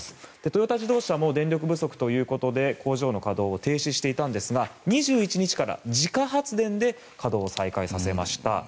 トヨタ自動車も電力不足ということで工場の稼働を停止していたんですが２１日から自家発電で稼働再開させました。